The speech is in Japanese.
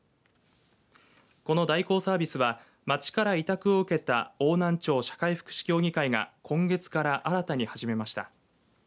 この代行サービスは町から委託を受けた、邑南町社会福祉協議会が今月から新たに始めました。